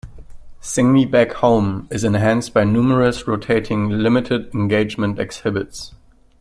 "Sing Me Back Home" is enhanced by numerous, rotating limited-engagement exhibits.